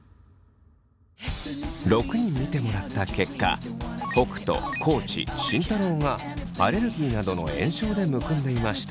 ６人見てもらった結果北斗地慎太郎がアレルギーなどの炎症でむくんでいました。